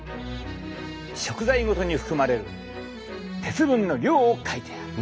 食材ごとに含まれる鉄分の量を書いてある。